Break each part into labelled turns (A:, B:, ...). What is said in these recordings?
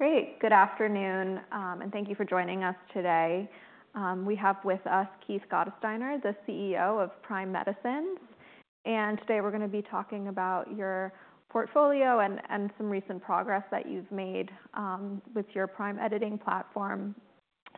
A: Great. Good afternoon, and thank you for joining us today. We have with us Keith Gottesdiener, the CEO of Prime Medicine and today we're going to be talking about your portfolio and some recent progress that you've made with your Prime Editing platform.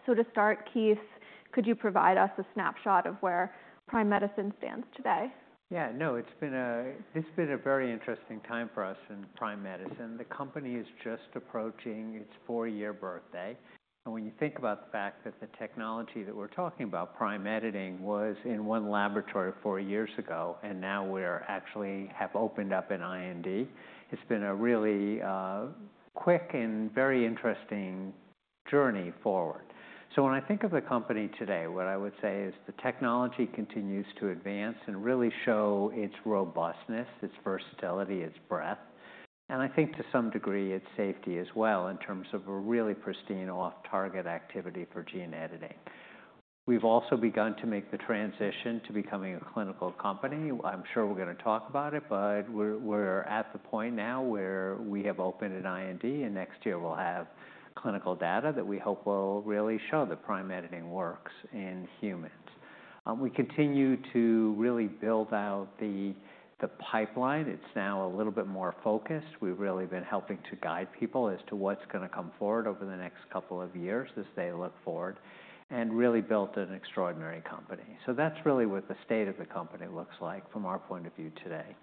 A: To start, Keith, could you provide us a snapshot of where Prime Medicine stands today?
B: Yeah, no, it's been a very interesting time for us in Prime Medicine. The company is just approaching its four-year birthday. When you think about the fact that the technology that we're talking about, Prime Editing, was in one laboratory four years ago, and now we actually have opened up an IND, it's been a really quick and very interesting journey forward. So when I think of the company today, what I would say is the technology continues to advance and really show its robustness, its versatility, its breadth and I think to some degree its safety as well in terms of a really pristine off-target activity for gene editing. We've also begun to make the transition to becoming a clinical company. I'm sure we're going to talk about it, but we're at the point now where we have opened an IND, and next year we'll have clinical data that we hope will really show that Prime Editing works in humans. We continue to really build out the pipeline. It's now a little bit more focused. We've really been helping to guide people as to what's going to come forward over the next couple of years as they look forward and really built an extraordinary company. So that's really what the state of the company looks like from our point of view today.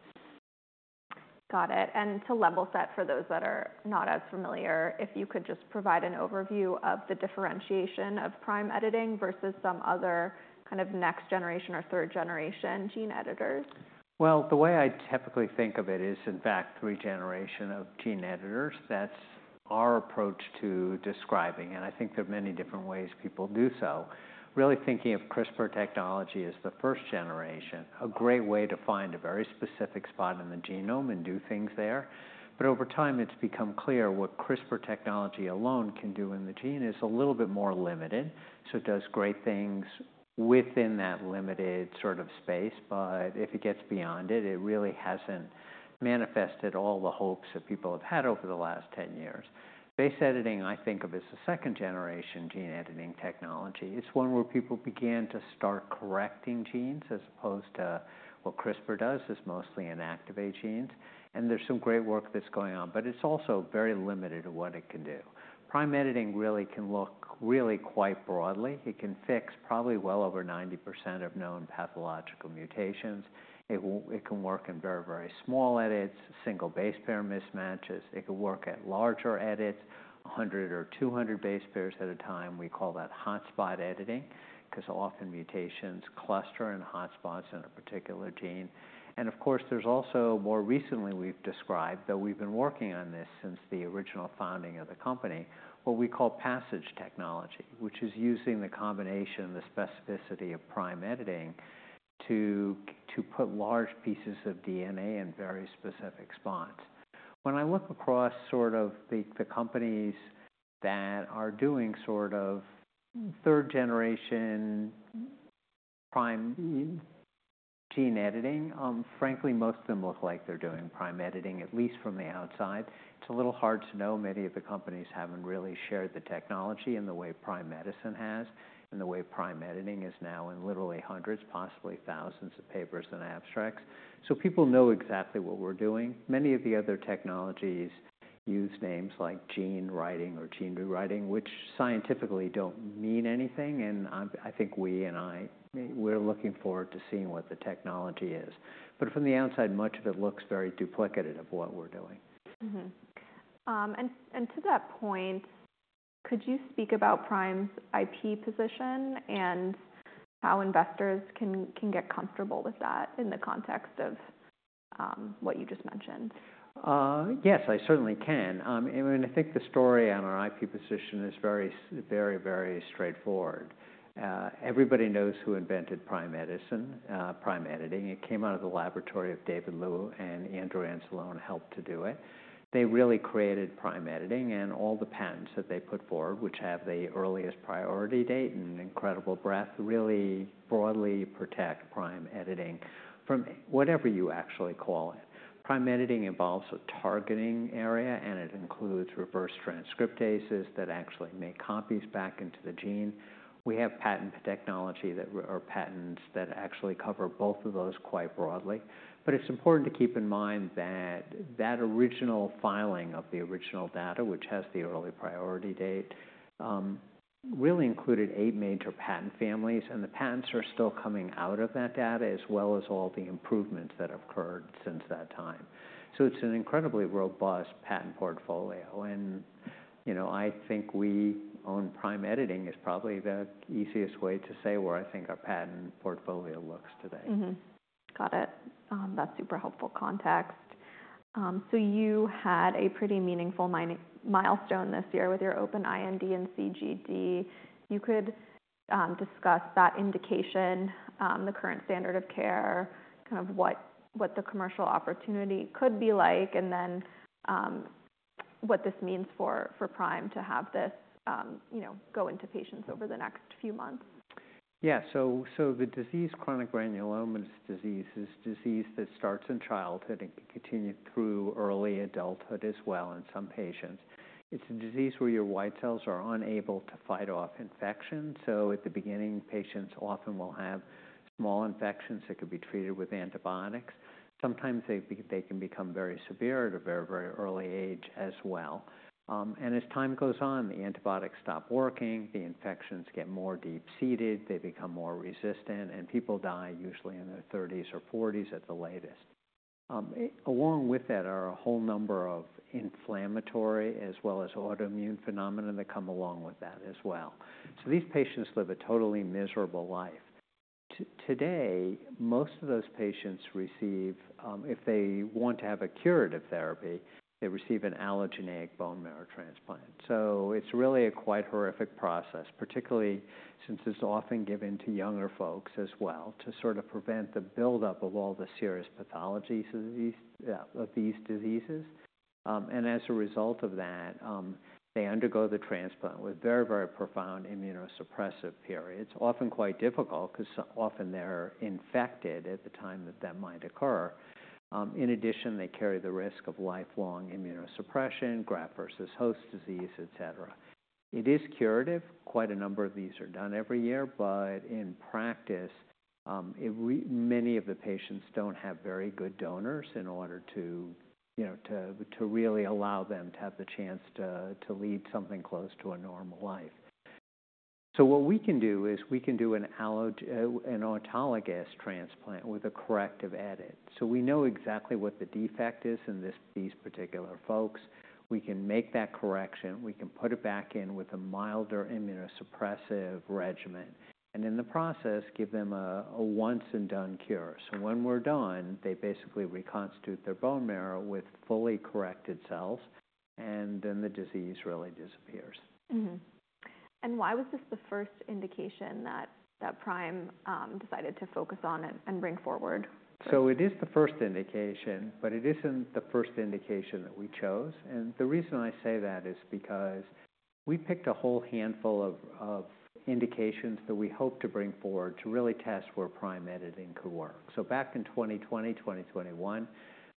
A: Got it. To level set for those that are not as familiar, if you could just provide an overview of the differentiation of Prime Editing versus some other kind of next generation or third generation gene editors?
B: Well, the way I typically think of it is, in fact, three generations of gene editors. That's our approach to describing, and I think there are many different ways people do so. Really thinking of CRISPR technology as the first generation, a great way to find a very specific spot in the genome and do things there. But over time, it's become clear what CRISPR technology alone can do in the gene is a little bit more limited. So it does great things within that limited sort of space, but if it gets beyond it, it really hasn't manifested all the hopes that people have had over the last 10 years. Base editing, I think of as a second generation gene editing technology. It's one where people began to start correcting genes as opposed to what CRISPR does, is mostly inactivate genes. There's some great work that's going on, but it's also very limited to what it can do. Prime Editing really can look really quite broadly. It can fix probably well over 90% of known pathological mutations. It can work in very, very small edits, single base pair mismatches. It can work at larger edits, 100 or 200 base pairs at a time. We call that hotspot editing because often mutations cluster in hotspots in a particular gene. Of course, there's also more recently we've described, though we've been working on this since the original founding of the company, what we call PASSIGE technology, which is using the combination, the specificity of Prime Editing to put large pieces of DNA in very specific spots. When I look across sort of the companies that are doing sort of third generation prime gene editing, frankly, most of them look like they're doing prime editing, at least from the outside. It's a little hard to know. Many of the companies haven't really shared the technology in the way Prime Medicine has and the way Prime Editing is now in literally hundreds, possibly thousands of papers and abstracts. So people know exactly what we're doing. Many of the other technologies use names like gene writing or gene rewriting, which scientifically don't mean anything. I think we and I, we're looking forward to seeing what the technology is but from the outside, much of it looks very duplicative of what we're doing.
A: To that point, could you speak about Prime's IP position and how investors can get comfortable with that in the context of what you just mentioned?
B: Yes, I certainly can. I mean, I think the story on our IP position is very, very, very straightforward. Everybody knows who invented Prime Medicine, Prime Editing. It came out of the laboratory of David R. Liu and Andrew Anzalone helped to do it. They really created Prime Editing, and all the patents that they put forward, which have the earliest priority date and incredible breadth, really broadly protect Prime Editing from whatever you actually call it. Prime Editing involves a targeting area, and it includes reverse transcriptases that actually make copies back into the gene. We have patent technology or patents that actually cover both of those quite broadly. But it's important to keep in mind that that original filing of the original data, which has the early priority date, really included eight major patent families, and the patents are still coming out of that data as well as all the improvements that have occurred since that time. So it's an incredibly robust patent portfolio. I think we own Prime Editing is probably the easiest way to say where I think our patent portfolio looks today.
A: Got it. That's super helpful context. So you had a pretty meaningful milestone this year with your open IND and CGD. You could discuss that indication, the current standard of care, kind of what the commercial opportunity could be like, and then what this means for Prime to have this go into patients over the next few months.
B: Yeah. So the disease, chronic granulomatous disease, is a disease that starts in childhood and can continue through early adulthood as well in some patients. It's a disease where your white cells are unable to fight off infection. So at the beginning, patients often will have small infections that could be treated with antibiotics. Sometimes they can become very severe at a very, very early age as well. As time goes on, the antibiotics stop working, the infections get more deep-seated, they become more resistant, and people die usually in their 30s or 40s at the latest. Along with that are a whole number of inflammatory as well as autoimmune phenomena that come along with that as well. So these patients live a totally miserable life. Today, most of those patients receive, if they want to have a curative therapy, they receive an allogeneic bone marrow transplant. So it's really a quite horrific process, particularly since it's often given to younger folks as well to sort of prevent the buildup of all the serious pathologies of these diseases. As a result of that, they undergo the transplant with very, very profound immunosuppressive periods, often quite difficult because often they're infected at the time that that might occur. In addition, they carry the risk of lifelong immunosuppression, graft-versus-host disease, et cetera. It is curative. Quite a number of these are done every year, but in practice, many of the patients don't have very good donors in order to really allow them to have the chance to lead something close to a normal life. So what we can do is we can do an autologous transplant with a corrective edit. So we know exactly what the defect is in these particular folks. We can make that correction. We can put it back in with a milder immunosuppressive regimen. In the process, give them a once-and-done cure. When we're done, they basically reconstitute their bone marrow with fully corrected cells, and then the disease really disappears.
A: Why was this the first indication that Prime decided to focus on and bring forward?
B: So it is the first indication, but it isn't the first indication that we chose and the reason I say that is because we picked a whole handful of indications that we hope to bring forward to really test where Prime Editing could work. So back in 2020, 2021, it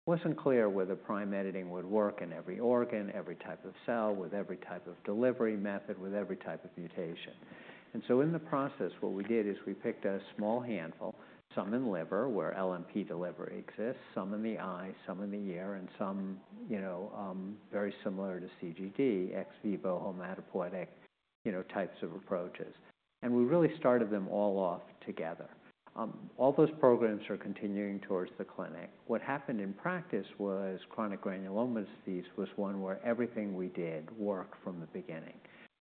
B: wasn't clear whether Prime Editing would work in every organ, every type of cell, with every type of delivery method, with every type of mutation and so in the process, what we did is we picked a small handful, some in liver where LNP delivery exists, some in the eye, some in the ear, and some very similar to CGD, ex vivo hematopoietic types of approaches. We really started them all off together. All those programs are continuing towards the clinic. What happened in practice was chronic granulomatous disease was one where everything we did worked from the beginning.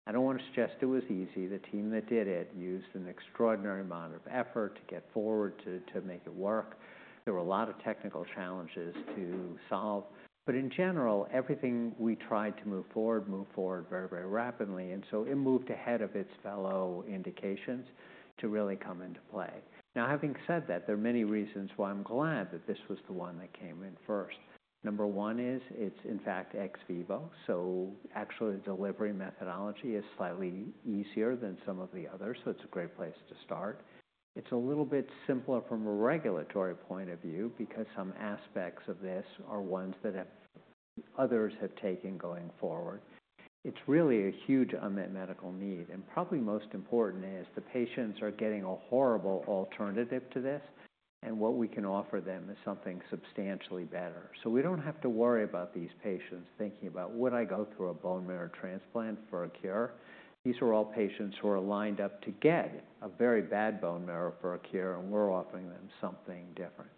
B: I don't want to suggest it was easy. The team that did it used an extraordinary amount of effort to get forward to make it work. There were a lot of technical challenges to solve. But in general, everything we tried to move forward moved forward very, very rapidly and so it moved ahead of its fellow indications to really come into play. Now, having said that, there are many reasons why I'm glad that this was the one that came in first. Number one is it's in fact ex vivo. So actually, the delivery methodology is slightly easier than some of the others, so it's a great place to start. It's a little bit simpler from a regulatory point of view because some aspects of this are ones that others have taken going forward. It's really a huge unmet medical need. Probably most important is the patients are getting a horrible alternative to this, and what we can offer them is something substantially better. So we don't have to worry about these patients thinking about, "Would I go through a bone marrow transplant for a cure?" These are all patients who are lined up to get a very bad bone marrow for a cure, and we're offering them something different.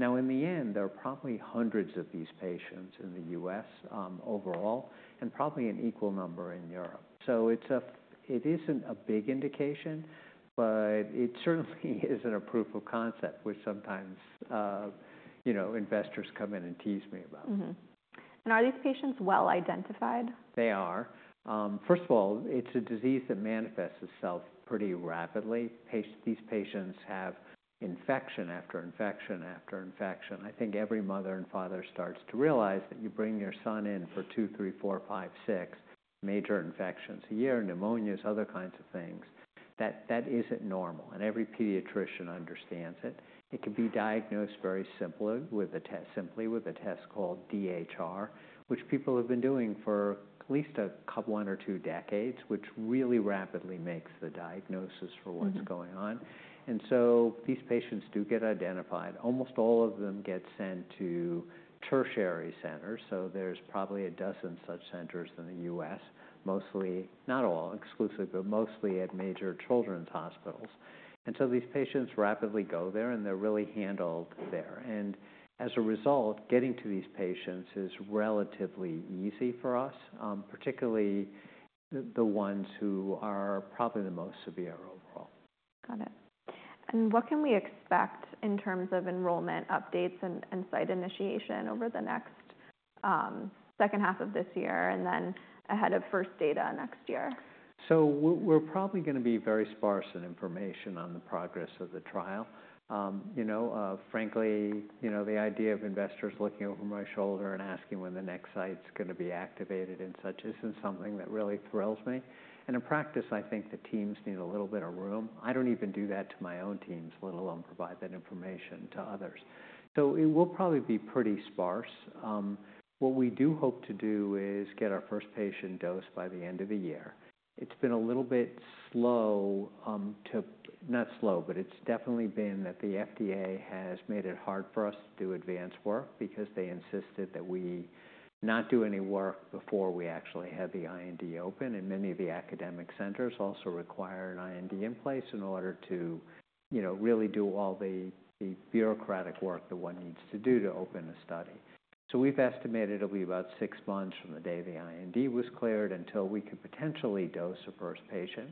B: Now, in the end, there are probably hundreds of these patients in the U.S. overall and probably an equal number in Europe. So it isn't a big indication, but it certainly isn't a proof of concept, which sometimes investors come in and tease me about.
A: Are these patients well identified?
B: They are. First of all, it's a disease that manifests itself pretty rapidly. These patients have infection after infection after infection. I think every mother and father starts to realize that you bring your son in for two, three, four, five, six major infections a year, pneumonias, other kinds of things. That isn't normal, and every pediatrician understands it. It can be diagnosed very simply with a test called DHR, which people have been doing for at least one or two decades, which really rapidly makes the diagnosis for what's going on and so these patients do get identified. Almost all of them get sent to tertiary centers. So there's probably a dozen such centers in the U.S., mostly, not all, exclusively, but mostly at major children's hospitals. So these patients rapidly go there, and they're really handled there. As a result, getting to these patients is relatively easy for us, particularly the ones who are probably the most severe overall.
A: Got it. What can we expect in terms of enrollment updates and site initiation over the next second half of this year and then ahead of first data next year?
B: So we're probably going to be very sparse in information on the progress of the trial. Frankly, the idea of investors looking over my shoulder and asking when the next site's going to be activated and such isn't something that really thrills me and in practice, I think the teams need a little bit of room. I don't even do that to my own teams, let alone provide that information to others. So it will probably be pretty sparse. What we do hope to do is get our first patient dosed by the end of the year. It's been a little bit slow to, not slow, but it's definitely been that the FDA has made it hard for us to do advanced work because they insisted that we not do any work before we actually have the IND open. Many of the academic centers also require an IND in place in order to really do all the bureaucratic work that one needs to do to open a study. We've estimated it'll be about six months from the day the IND was cleared until we could potentially dose a first patient.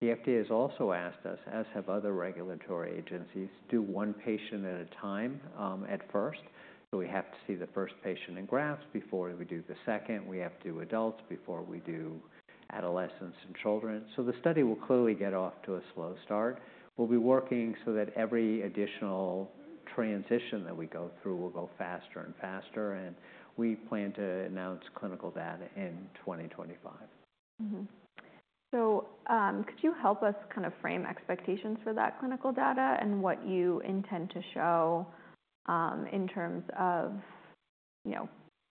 B: The FDA has also asked us, as have other regulatory agencies, to do one patient at a time at first. We have to see the first patient engrafts before we do the second. We have to do adults before we do adolescents and children. The study will clearly get off to a slow start. We'll be working so that every additional transition that we go through will go faster and faster. We plan to announce clinical data in 2025.
A: So could you help us kind of frame expectations for that clinical data and what you intend to show in terms of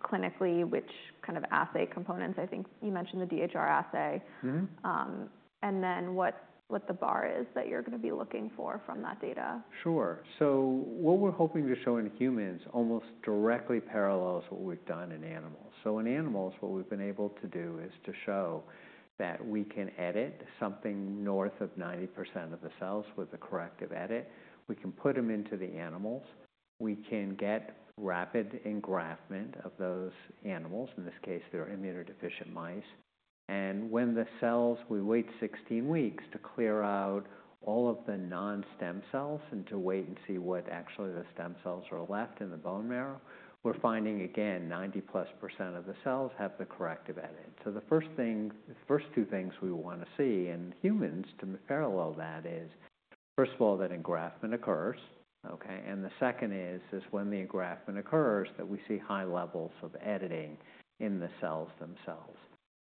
A: clinically which kind of assay components? I think you mentioned the DHR assay. Then what the bar is that you're going to be looking for from that data?
B: Sure. So what we're hoping to show in humans almost directly parallels what we've done in animals. So in animals, what we've been able to do is to show that we can edit something north of 90% of the cells with a corrective edit. We can put them into the animals. We can get rapid engraftment of those animals. In this case, they're immunodeficient mice. When the cells, we wait 16 weeks to clear out all of the non-stem cells and to wait and see what actually the stem cells are left in the bone marrow. We're finding, again, 90%+ of the cells have the corrective edit. So the first two things we want to see in humans to parallel that is, first of all, that engraftment occurs. The second is when the engraftment occurs that we see high levels of editing in the cells themselves.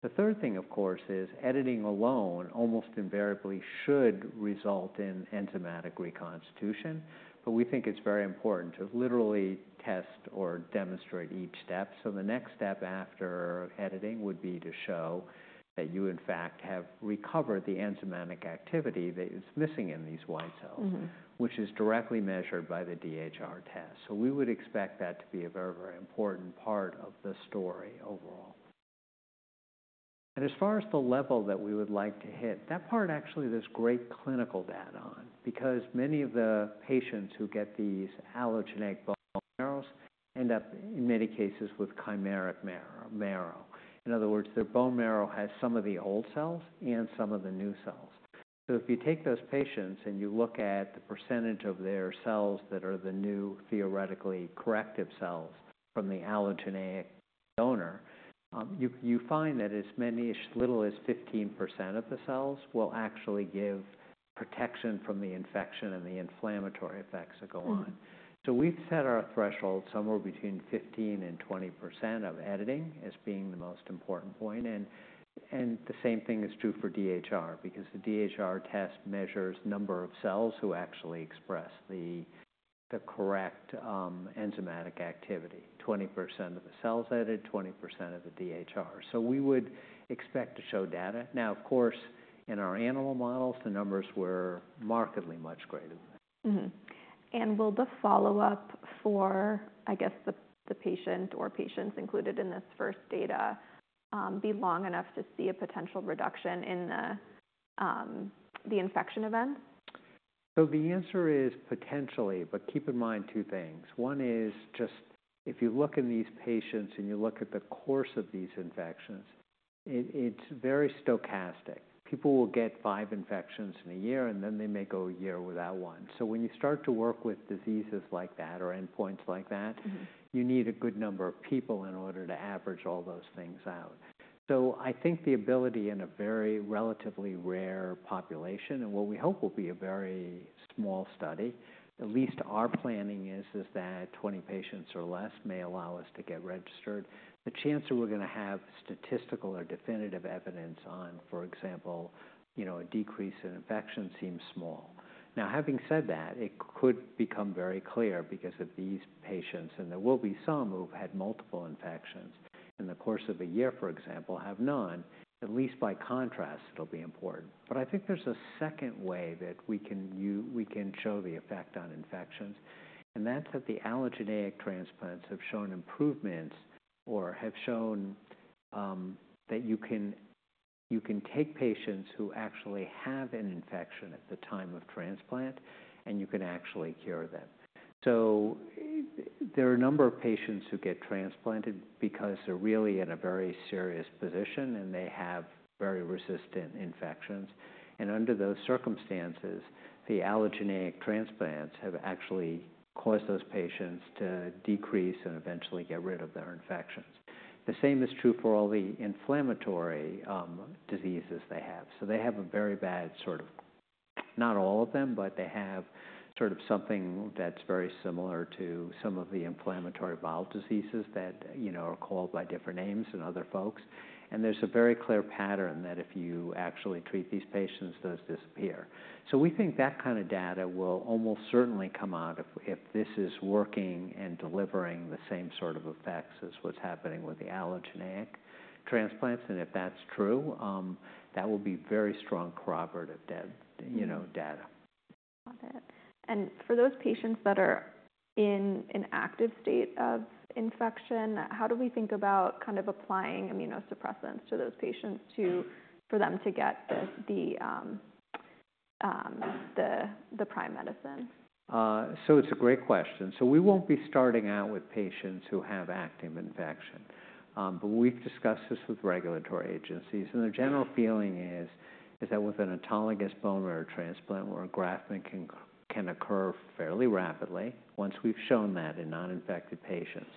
B: The third thing, of course, is editing alone almost invariably should result in enzymatic reconstitution, but we think it's very important to literally test or demonstrate each step. So the next step after editing would be to show that you in fact have recovered the enzymatic activity that is missing in these white cells, which is directly measured by the DHR test. So we would expect that to be a very, very important part of the story overall. As far as the level that we would like to hit, that part actually there's great clinical data on because many of the patients who get these allogeneic bone marrows end up in many cases with chimeric marrow. In other words, their bone marrow has some of the old cells and some of the new cells. So if you take those patients and you look at the percentage of their cells that are the new theoretically corrective cells from the allogeneic donor, you find that as many as little as 15% of the cells will actually give protection from the infection and the inflammatory effects that go on. So we've set our threshold somewhere between 15%-20% of editing as being the most important point and the same thing is true for DHR because the DHR test measures the number of cells who actually express the correct enzymatic activity: 20% of the cells added, 20% of the DHR. So we would expect to show data. Now, of course, in our animal models, the numbers were markedly much greater.
A: Will the follow-up for, I guess, the patient or patients included in this first data be long enough to see a potential reduction in the infection event?
B: So the answer is potentially, but keep in mind two things. One is just if you look in these patients and you look at the course of these infections, it's very stochastic. People will get five infections in a year, and then they may go a year without one. So when you start to work with diseases like that or endpoints like that, you need a good number of people in order to average all those things out. So I think the ability in a very relatively rare population and what we hope will be a very small study, at least our planning is that 20 patients or less may allow us to get registered. The chance that we're going to have statistical or definitive evidence on, for example, a decrease in infection seems small. Now, having said that, it could become very clear because of these patients, and there will be some who've had multiple infections in the course of a year, for example, have none. At least by contrast, it'll be important. But I think there's a second way that we can show the effect on infections and that's that the allogeneic transplants have shown improvements or have shown that you can take patients who actually have an infection at the time of transplant, and you can actually cure them. So there are a number of patients who get transplanted because they're really in a very serious position, and they have very resistant infections and under those circumstances, the allogeneic transplants have actually caused those patients to decrease and eventually get rid of their infections. The same is true for all the inflammatory diseases they have. So they have a very bad sort of, not all of them, but they have sort of something that's very similar to some of the inflammatory bowel diseases that are called by different names and other folks and there's a very clear pattern that if you actually treat these patients, those disappear. So we think that kind of data will almost certainly come out if this is working and delivering the same sort of effects as what's happening with the allogeneic transplants and if that's true, that will be very strong corroborative data.
A: Got it. For those patients that are in an active state of infection, how do we think about kind of applying immunosuppressants to those patients for them to get the Prime Medicine?
B: So it's a great question. So we won't be starting out with patients who have active infection. But we've discussed this with regulatory agencies and the general feeling is that with an autologous bone marrow transplant where an engraftment can occur fairly rapidly, once we've shown that in non-infected patients,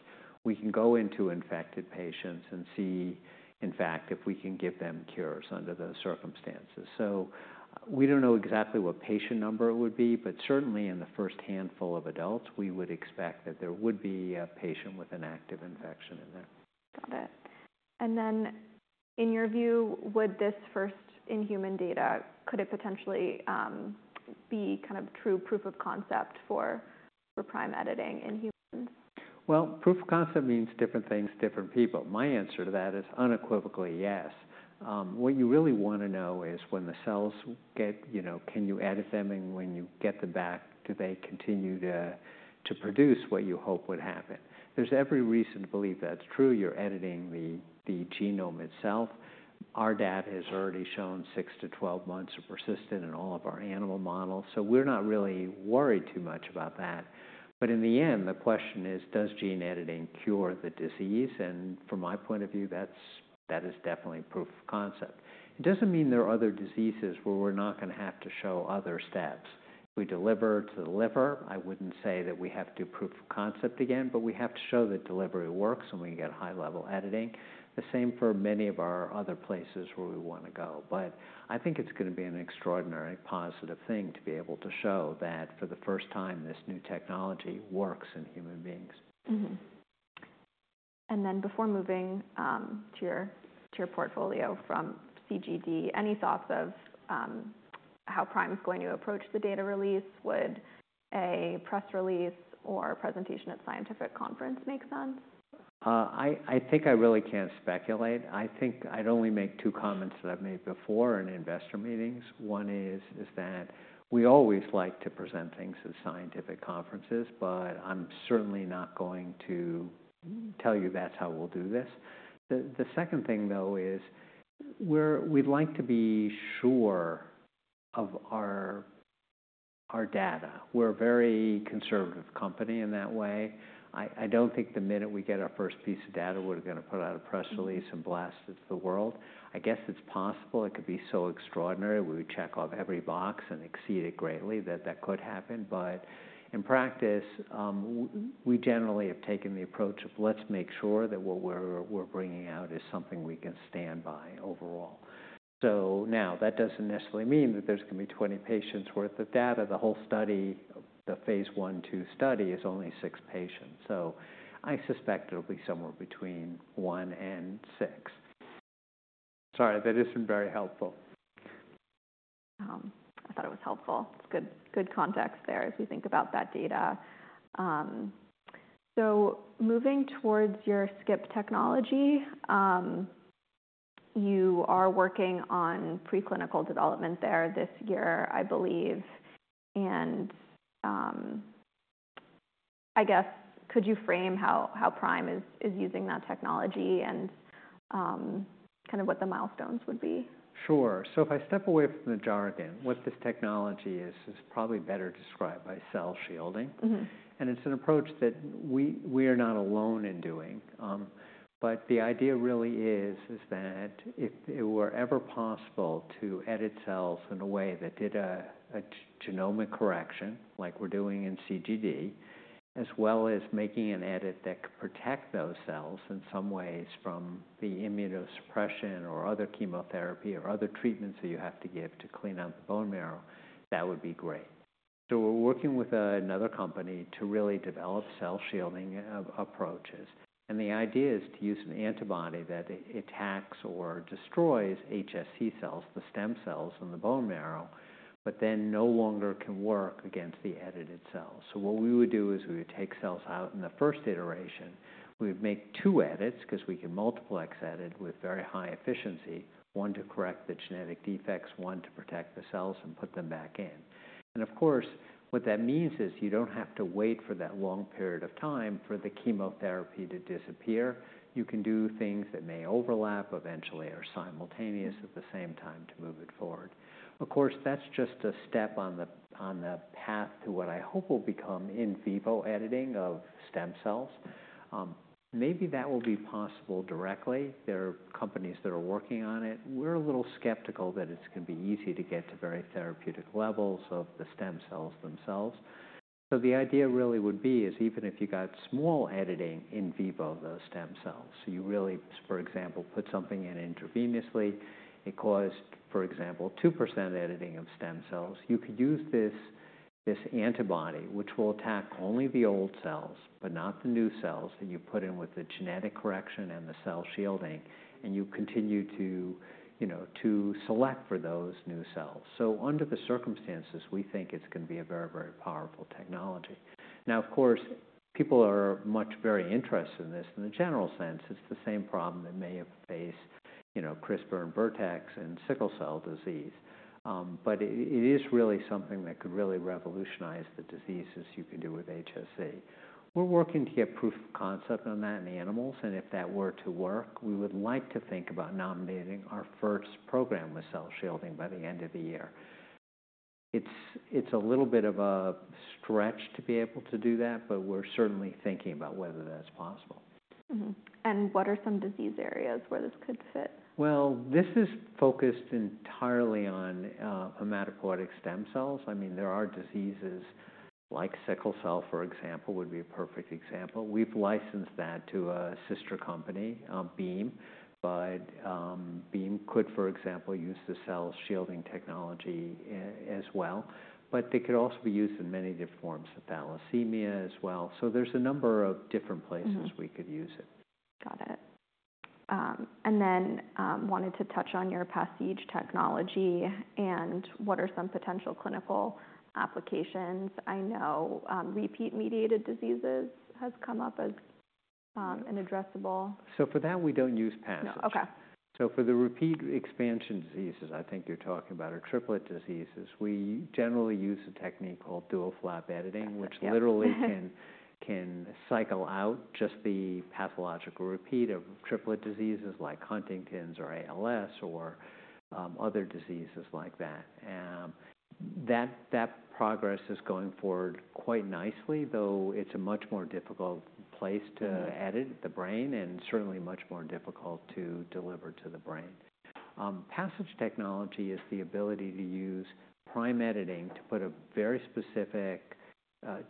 B: we can go into infected patients and see. In fact, if we can give them cures under those circumstances. So we don't know exactly what patient number it would be, but certainly in the first handful of adults, we would expect that there would be a patient with an active infection in there.
A: Got it. Then in your view, would this first-in-human data, could it potentially be kind of true proof-of-concept for Prime Editing in humans?
B: Well, proof of concept means different things, different people. My answer to that is unequivocally yes. What you really want to know is when the cells get, can you edit them? When you get them back, do they continue to produce what you hope would happen? There's every reason to believe that's true. You're editing the genome itself. Our data has already shown 6-12 months of persistent in all of our animal models. So we're not really worried too much about that, but in the end, the question is, does gene editing cure the disease? From my point of view, that is definitely proof of concept. It doesn't mean there are other diseases where we're not going to have to show other steps. If we deliver to the liver, I wouldn't say that we have to prove concept again, but we have to show that delivery works and we can get high-level editing. The same for many of our other places where we want to go. But I think it's going to be an extraordinary positive thing to be able to show that for the first time this new technology works in human beings.
A: Then before moving to your portfolio from CGD, any thoughts of how Prime is going to approach the data release? Would a press release or presentation at scientific conference make sense?
B: I think I really can't speculate. I think I'd only make two comments that I've made before in investor meetings. One is that we always like to present things at scientific conferences, but I'm certainly not going to tell you that's how we'll do this. The second thing, though, is we'd like to be sure of our data. We're a very conservative company in that way. I don't think the minute we get our first piece of data we're going to put out a press release and blast it to the world. I guess it's possible. It could be so extraordinary we would check off every box and exceed it greatly that that could happen. But in practice, we generally have taken the approach of let's make sure that what we're bringing out is something we can stand by overall. So now that doesn't necessarily mean that there's going to be 20 patients' worth of data. The whole study, the phase I/II study, is only six patients. So I suspect it'll be somewhere between one and six. Sorry, that isn't very helpful.
A: I thought it was helpful. It's good context there as we think about that data. So moving towards your SCIP technology, you are working on preclinical development there this year, I believe. I guess, could you frame how Prime is using that technology and kind of what the milestones would be?
B: Sure. So if I step away from the jargon, what this technology is is probably better described by cell shielding, and it's an approach that we are not alone in doing. But the idea really is that if it were ever possible to edit cells in a way that did a genomic correction like we're doing in CGD, as well as making an edit that could protect those cells in some ways from the immunosuppression or other chemotherapy or other treatments that you have to give to clean out the bone marrow, that would be great. So we're working with another company to really develop cell shielding approaches and the idea is to use an antibody that attacks or destroys HSC cells, the stem cells in the bone marrow, but then no longer can work against the edited cells. So what we would do is we would take cells out in the first iteration. We would make two edits because we can multiplex edit with very high efficiency, one to correct the genetic defects, one to protect the cells and put them back in. Of course, what that means is you don't have to wait for that long period of time for the chemotherapy to disappear. You can do things that may overlap eventually or simultaneous at the same time to move it forward. Of course, that's just a step on the path to what I hope will become in vivo editing of stem cells. Maybe that will be possible directly. There are companies that are working on it. We're a little skeptical that it's going to be easy to get to very therapeutic levels of the stem cells themselves. So the idea really would be is even if you got small editing in vivo of those stem cells, so you really, for example, put something in intravenously, it caused, for example, 2% editing of stem cells, you could use this antibody, which will attack only the old cells, but not the new cells that you put in with the genetic correction and the cell shielding, and you continue to select for those new cells. So under the circumstances, we think it's going to be a very, very powerful technology. Now, of course, people are much very interested in this. In the general sense, it's the same problem that may have faced CRISPR and Vertex and Sickle Cell Disease, but it is really something that could really revolutionize the diseases you could do with HSC. We're working to get proof of concept on that in animals. If that were to work, we would like to think about nominating our first program with cell shielding by the end of the year. It's a little bit of a stretch to be able to do that, but we're certainly thinking about whether that's possible.
A: What are some disease areas where this could fit?
B: Well, this is focused entirely on hematopoietic stem cells. I mean, there are diseases like sickle cell, for example, would be a perfect example. We've licensed that to a sister company, Beam. But Beam could, for example, use the cell shielding technology as well. But they could also be used in many different forms of thalassemia as well. So there's a number of different places we could use it.
A: Got it. Then wanted to touch on your PASSIGE technology and what are some potential clinical applications. I know repeat mediated diseases has come up as an addressable.
B: So for that, we don't use PASSIGE. So for the repeat expansion diseases, I think you're talking about, or triplet diseases, we generally use a technique called Dual Flap Editing, which literally can cycle out just the pathological repeat of triplet diseases like Huntington's or ALS or other diseases like that. That progress is going forward quite nicely, though it's a much more difficult place to edit the brain and certainly much more difficult to deliver to the brain. PASSIGE technology is the ability to use Prime Editing to put a very specific,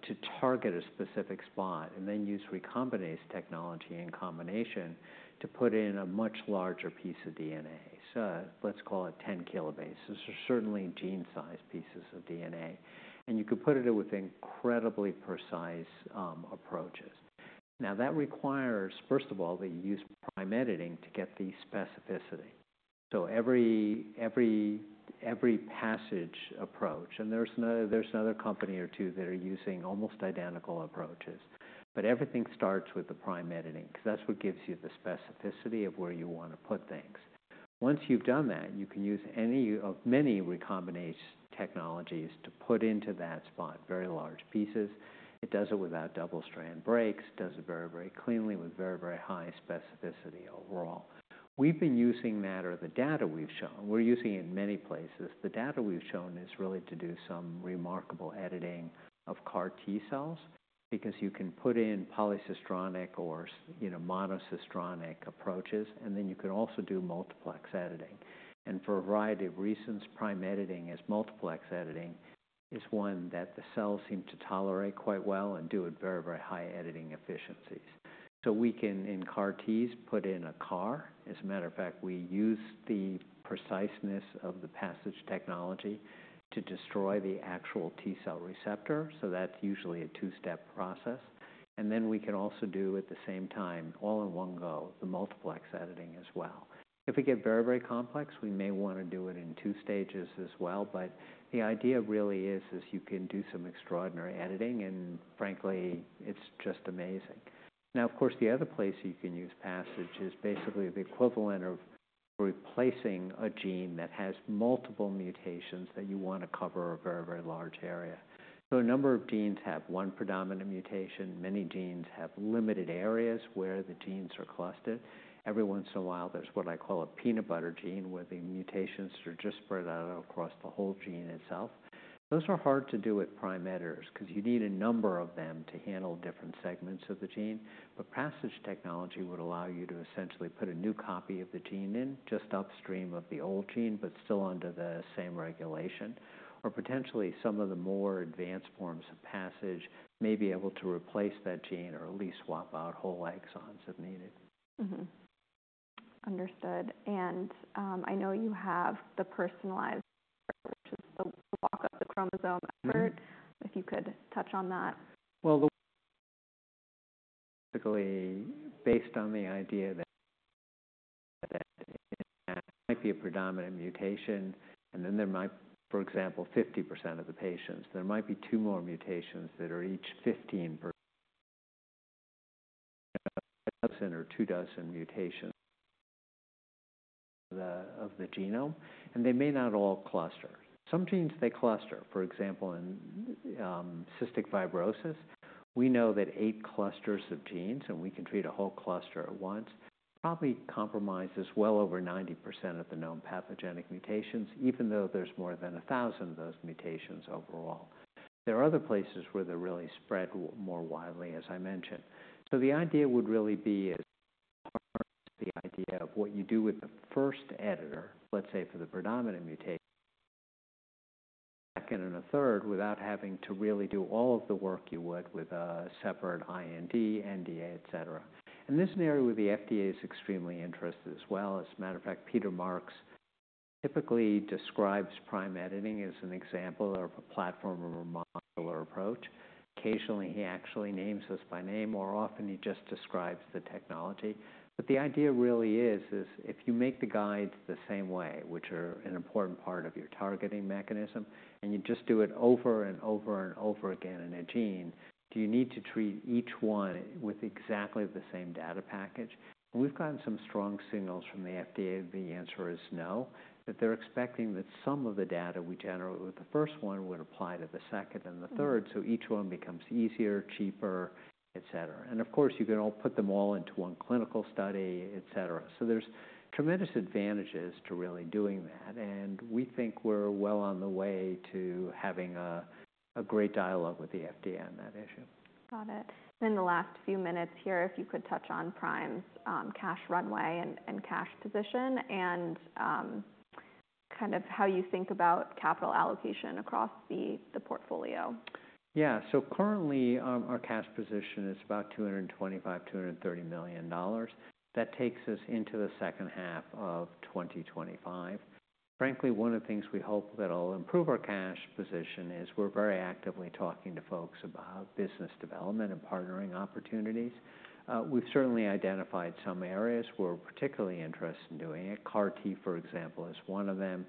B: to target a specific spot and then use recombinase technology in combination to put in a much larger piece of DNA. So let's call it 10 kilobases. Those are certainly gene-sized pieces of DNA and you could put it with incredibly precise approaches. Now, that requires, first of all, that you use Prime Editing to get the specificity. So every PASSIGE approach, and there's another company or two that are using almost identical approaches, but everything starts with the Prime Editing because that's what gives you the specificity of where you want to put things. Once you've done that, you can use any of many recombinase technologies to put into that spot very large pieces. It does it without double-strand breaks. It does it very, very cleanly with very, very high specificity overall. We've been using that or the data we've shown. We're using it in many places. The data we've shown is really to do some remarkable editing of CAR T cells because you can put in polycistronic or monocistronic approaches, and then you can also do multiplex editing. For a variety of reasons, Prime Editing as multiplex editing is one that the cells seem to tolerate quite well and do at very, very high editing efficiencies. So we can, in CAR Ts, put in a CAR. As a matter of fact, we use the preciseness of the PASSIGE technology to destroy the actual T cell receptor. So that's usually a two-step process. Then we can also do at the same time, all in one go, the multiplex editing as well. If we get very, very complex, we may want to do it in two stages as well, but the idea really is you can do some extraordinary editing, and frankly, it's just amazing. Now, of course, the other place you can use PASSIGE is basically the equivalent of replacing a gene that has multiple mutations that you want to cover a very, very large area. A number of genes have one predominant mutation. Many genes have limited areas where the genes are clustered. Every once in a while, there's what I call a peanut butter gene where the mutations are just spread out across the whole gene itself. Those are hard to do with Prime Editors because you need a number of them to handle different segments of the gene. But PASSIGE technology would allow you to essentially put a new copy of the gene in just upstream of the old gene, but still under the same regulation or potentially, some of the more advanced forms of PASSIGE may be able to replace that gene or at least swap out whole exons if needed.
A: Understood. I know you have the personalized effort, which is the walk-up the chromosome effort. If you could touch on that.
B: Well, basically, based on the idea that it might be a predominant mutation, and then there might, for example, 50% of the patients, there might be two more mutations that are each 15% or 24% mutations of the genome and they may not all cluster. Some genes, they cluster. For example, in Cystic Fibrosis, we know that eight clusters of genes, and we can treat a whole cluster at once, probably compromises well over 90% of the known pathogenic mutations, even though there's more than 1,000 of those mutations overall. There are other places where they're really spread more widely, as I mentioned. So the idea would really be the idea of what you do with the first editor, let's say for the predominant mutation, second and a third, without having to really do all of the work you would with a separate IND, NDA, etc. This scenario with the FDA is extremely interested as well. As a matter of fact, Peter Marks typically describes Prime Editing as an example of a platform of a modular approach. Occasionally, he actually names us by name. More often, he just describes the technology. But the idea really is, if you make the guides the same way, which are an important part of your targeting mechanism, and you just do it over and over and over again in a gene, do you need to treat each one with exactly the same data package? We've gotten some strong signals from the FDA. The answer is no, that they're expecting that some of the data we generate with the first one would apply to the second and the third, so each one becomes easier, cheaper, etc. Of course, you can all put them all into one clinical study, etc. There's tremendous advantages to really doing that. We think we're well on the way to having a great dialogue with the FDA on that issue.
A: Got it. In the last few minutes here, if you could touch on Prime's cash runway and cash position and kind of how you think about capital allocation across the portfolio.
B: Yeah. So currently, our cash position is about $225-$230 million. That takes us into the second half of 2025. Frankly, one of the things we hope that will improve our cash position is we're very actively talking to folks about business development and partnering opportunities. We've certainly identified some areas where we're particularly interested in doing it. CAR T, for example, is one of them.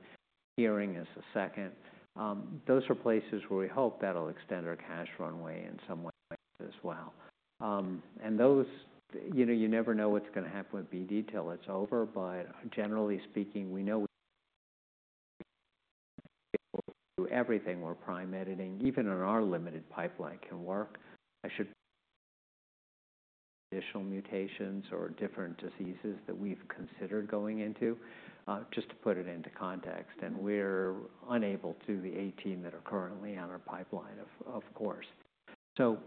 B: Hearing is the second. Those are places where we hope that'll extend our cash runway in some way as well. You never know what's going to happen with BD deal. It's over. But generally speaking, we know we can do everything where Prime Editing, even in our limited pipeline, can work. I shelved additional mutations or different diseases that we've considered going into, just to put it into context. We're unable to do the 18 that are currently on our pipeline, of course. So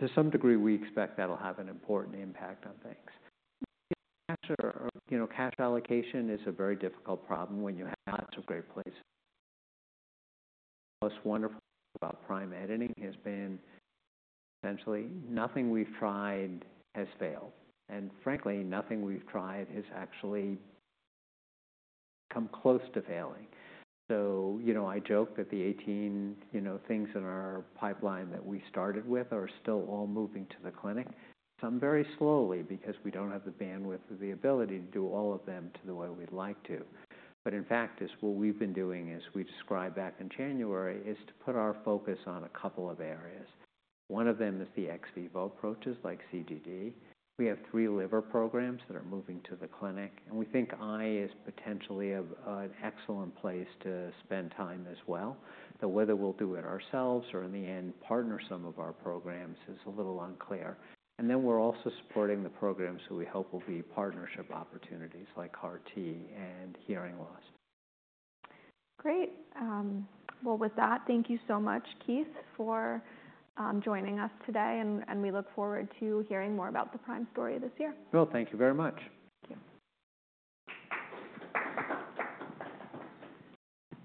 B: to some degree, we expect that'll have an important impact on things. Cash allocation is a very difficult problem when you have lots of great places. What's wonderful about Prime Editing has been essentially nothing we've tried has failed. Frankly, nothing we've tried has actually come close to failing. So I joke that the 18 things in our pipeline that we started with are still all moving to the clinic. Some very slowly because we don't have the bandwidth or the ability to do all of them to the way we'd like to. But in fact, what we've been doing, as we described back in January, is to put our focus on a couple of areas. One of them is the ex vivo approaches like CGD. We have three liver programs that are moving to the clinic. We think eye is potentially an excellent place to spend time as well. Whether we'll do it ourselves or in the end partner some of our programs is a little unclear. Then we're also supporting the programs that we hope will be partnership opportunities like CAR T and hearing loss.
A: Great. Well, with that, thank you so much, Keith, for joining us today. We look forward to hearing more about the Prime story this year.
B: Well, thank you very much.
A: Thank you.